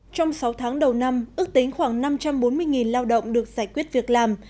trong sáu tháng đầu năm ước tính khoảng năm trăm bốn mươi lao động được giải quyết việc làm